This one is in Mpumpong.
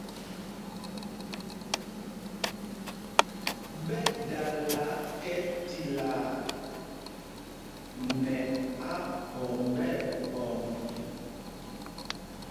Ɓɛ dala kɛ tilaa nɛ aphɔmb nɛ phɔmb.